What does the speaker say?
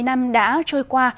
bảy mươi năm đã trôi qua